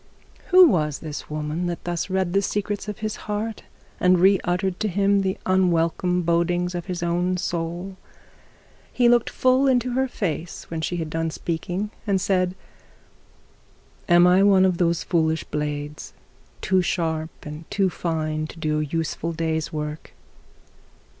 Who was this woman that thus read the secrets of his heart, and re uttered to him the unwelcome bodings of his own soul? He looked full into her face when she had done speaking, and said, 'Am I one of those foolish blades, too sharp and too fine to do a useful day's work?'